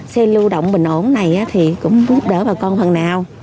xe lưu động bình ổn này thì cũng giúp đỡ bà con phần nào